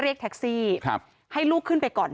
เรียกแท็กซี่ให้ลูกขึ้นไปก่อน